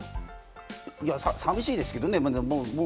寂しいですけどね。